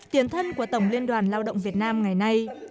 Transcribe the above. tiền thân của tổng liên đoàn lao động việt nam ngày nay